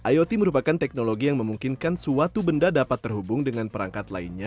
iot merupakan teknologi yang memungkinkan suatu benda dapat terhubung dengan perangkat lainnya